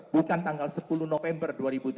bukan tanggal sepuluh november dua ribu tujuh belas